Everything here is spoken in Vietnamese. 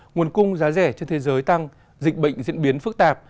nguồn cung giá rẻ trên thế giới tăng dịch bệnh diễn biến phức tạp